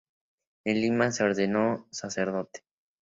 En Lima se ordenó sacerdote.